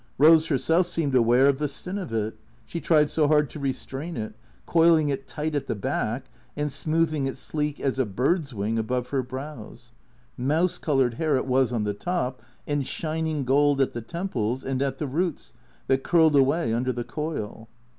Eose herself seemed aware of the sin of it, she tried so hard to restrain it, coiling it tight at the back, and smoothing it sleek as a bird's wing above her brows. Mouse colored hair it was on the top, and shining gold at the temples and at the roots that curled away under the coil.